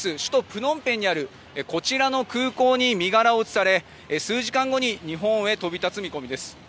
プノンペンにあるこちらの空港に身柄を移され数時間後に日本へ飛び立つ見込みです。